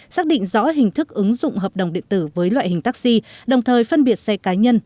xác định rõ hình thức ứng dụng hợp đồng điện tử với loại hình taxi đồng thời phân biệt xe cá nhân